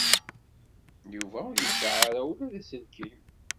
Yuba ur yesɛi ara ula d aselkim.